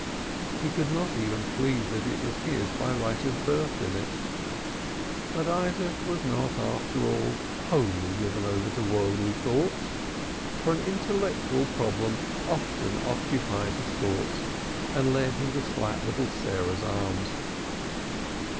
He could not even plead it was his by right of birth in it. But Isaac was not after all wholly given over to worldly thoughts, for an intellectual problem often occupied his thoughts and led him to slap little Sarah's arms.